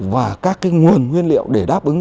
và các nguồn nguyên liệu để đáp ứng